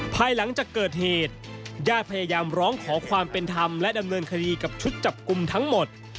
ภายหลังจากเกิดเหตุญาติพยายามร้องขอความเป็นธรรมและดำเนินคดีกับชุดจับกลุ่มทั้งหมด